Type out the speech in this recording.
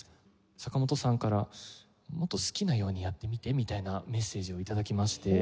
坂本さんからもっと好きなようにやってみてみたいなメッセージを頂きまして。